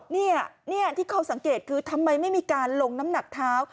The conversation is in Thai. นี่ที่เขาสังเกตคือทำไมไม่มีการลงน้ำหนักเท้า